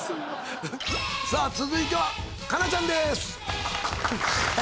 さあ続いては佳奈ちゃんです。